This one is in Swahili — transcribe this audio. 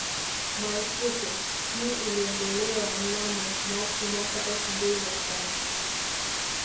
Marufuku hii iliondolewa mnamo Machi mwaka elfu mbili na Saba